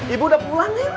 ibu udah pulang ya